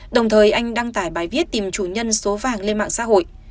đồng thời anh đăng tải bài viết tìm chủ nhân số vàng lên mạng xã hội